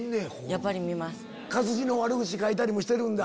やっぱり見ます。